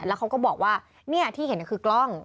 แล้วเขาก็บอกว่าที่เห็นคือกล้อง